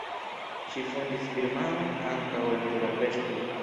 Ŝi fondis firmaon ankaŭ en Budapeŝto.